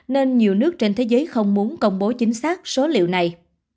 nên nhiều nước trên thế giới không muốn công bố chính xác số liệu này